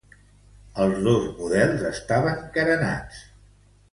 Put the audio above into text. Els dos models estaven carenats.